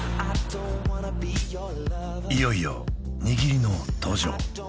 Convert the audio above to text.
いよいよにぎりの登場